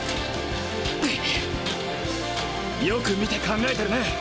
よく見て考えてるね。